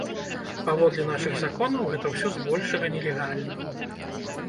Паводле нашых законаў, гэта ўсё збольшага нелегальна.